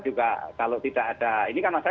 juga kalau tidak ada ini kan masa